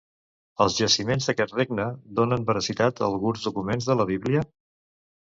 Els jaciments d'aquest regne donen veracitat a alguns documents de la Bíblia?